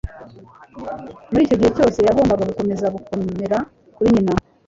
Muri icyo gihe cyose yagombaga gukomeza gukomera kuri nyina.